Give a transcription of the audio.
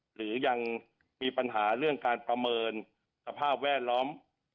หรือยังมีปัญหาเรื่องการประเมินสภาพแวดล้อม